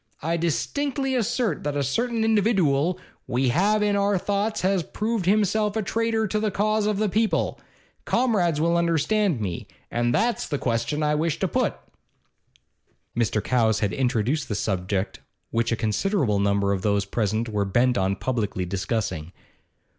I distinctly assert that a certain individooal we all have in our thoughts has proved himself a traitor to the cause of the people. Comrades will understand me. And that's the question I wish to put.' Mr. Cowes had introduced the subject which a considerable number of those present were bent on publicly discussing.